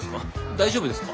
大丈夫ですか？